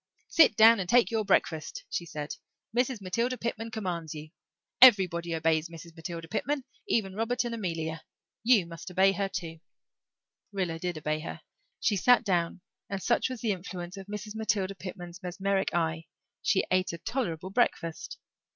"Sit down and take your breakfast," she said. "Mrs. Matilda Pitman commands you. Everybody obeys Mrs. Matilda Pitman even Robert and Amelia. You must obey her too." Rilla did obey her. She sat down and, such was the influence of Mrs. Matilda Pitman's mesmeric eye, she ate a tolerable breakfast.